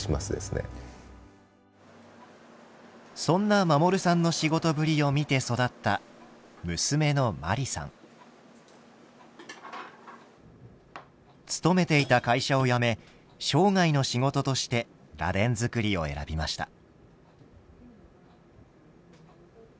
そんな守さんの仕事ぶりを見て育った娘の勤めていた会社を辞め生涯の仕事として螺鈿作りを選びました。